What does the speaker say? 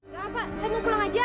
gapapa eh mau pulang aja